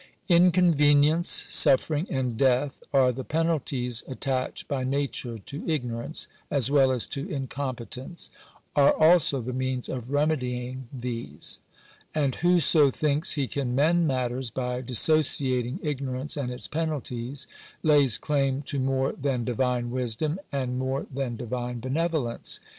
Inconvenience, suffering, and death, are the penalties at tached by nature to ignorance, as well as to incompetence — are also the means of remedying these. And whoso thinks he can mend matters by dissociating ignorance and its penaltifb, lays claim to more than Divine wisdom, and more than Divine benevolence.